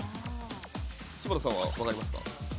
柴田さんは分かりますか？